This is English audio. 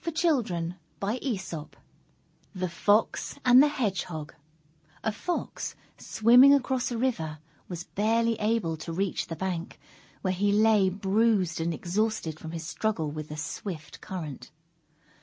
_ THE FOX AND THE HEDGEHOG A Fox, swimming across a river, was barely able to reach the bank, where he lay bruised and exhausted from his struggle with the swift current.